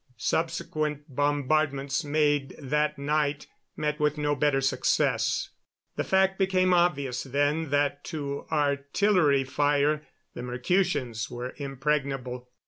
Subsequent bombardments made that night met with no better success. The fact became obvious then that to artillery fire the Mercutians were impregnable.